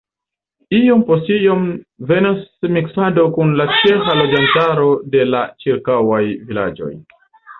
Iom post iom venas miksado kun la ĉeĥa loĝantaro de la ĉirkaŭaj vilaĝoj.